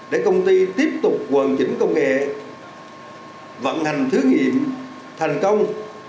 để công ty tiếp tục hoàn chỉnh công nghệ vận hành thử nghiệm thành công